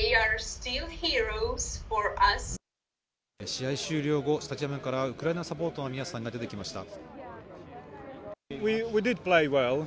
試合終了後、スタジアムからウクライナサポーターの皆さんが出てきました。